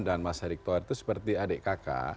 dan mas erick thohir itu seperti adik kakak